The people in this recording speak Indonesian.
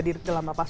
di dalam lapas